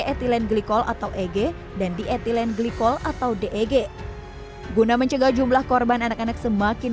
ethylene glikol atau eg dan di ethylene glikol atau dg guna mencegah jumlah korban anak anak semakin